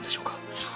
さあ。